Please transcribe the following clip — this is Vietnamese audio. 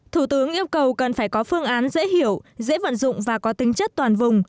thủ tướng yêu cầu cần phải có phương án dễ hiểu dễ vận dụng và có tính chất toàn vùng